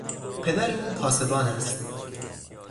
پدر او پاسبان است.